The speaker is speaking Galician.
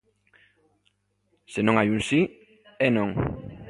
"Se non hai un si, é non".